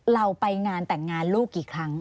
เราไปงานแต่งงานลูกกี่ครั้ง